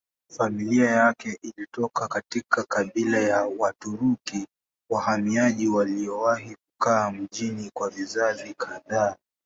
Familia yake ilitoka katika kabila ya Waturuki wahamiaji waliowahi kukaa mjini kwa vizazi kadhaa.